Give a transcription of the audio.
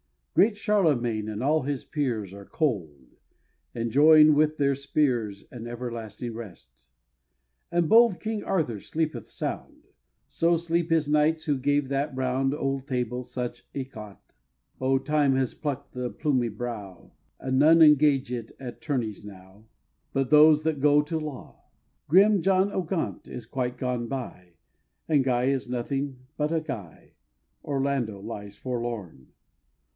Great Charlemagne and all his peers Are cold enjoying with their spears An everlasting rest! The bold King Arthur sleepeth sound; So sleep his knights who gave that Round Old Table such éclat! Oh, Time has pluck'd the plumy brow! And none engage at tourneys now But those that go to law! Grim John o' Gaunt is quite gone by, And Guy is nothing but a Guy, Orlando lies forlorn!